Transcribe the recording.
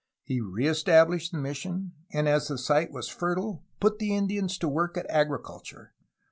He reestablished the mission, and as the site was fertile put the Indians to work at agriculture.